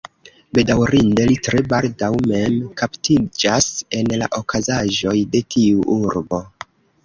Bedaŭrinde, li tre baldaŭ mem kaptiĝas en la okazaĵoj de tiu urbo.